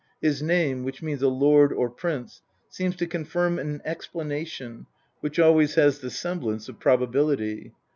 His name, which means a lord or prince, seems to confirm an explanation which always has the semblance of probability.